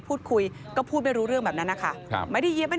เพื่อนผมเป็นคนบาดเจ็บ